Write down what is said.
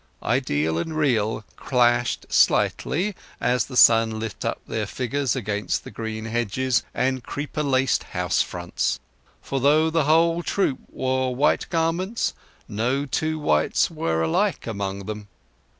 Ideal and real clashed slightly as the sun lit up their figures against the green hedges and creeper laced house fronts; for, though the whole troop wore white garments, no two whites were alike among them.